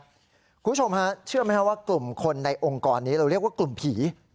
คุณผู้ชมฮะเชื่อไหมครับว่ากลุ่มคนในองค์กรนี้เราเรียกว่ากลุ่มผี